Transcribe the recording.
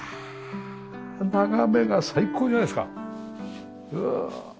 眺めが最高じゃないですか。